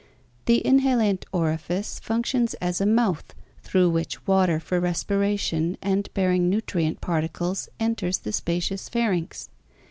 The inhalent orifice functions as a mouth through which water for respiration and bearing nutrient particles enters the spacious pharynx.